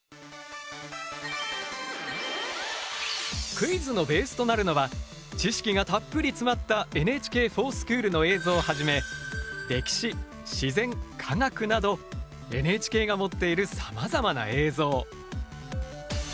クイズのベースとなるのは知識がたっぷり詰まったＮＨＫｆｏｒＳｃｈｏｏｌの映像をはじめ歴史自然科学などＮＨＫが持っているさまざまな映像。